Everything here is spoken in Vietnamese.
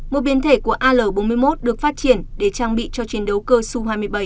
một biến thể của al bốn mươi một được phát triển để trang bị cho chiến đấu cơ su hai mươi bảy